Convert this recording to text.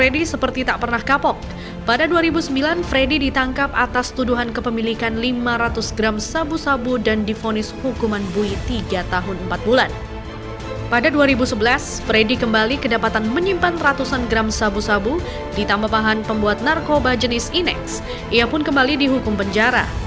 di tambah pahan pembuat narkoba jenis inex ia pun kembali dihukum penjara